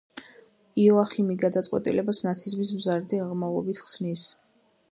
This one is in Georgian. იოახიმი გადაწყვეტილებას ნაციზმის მზარდი აღმავლობით ხსნის.